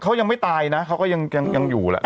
เขายังไม่ตายนะเขาก็ยังอยู่แหละ